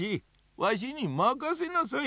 わしにまかせなさい。